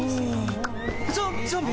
ゾゾンビ！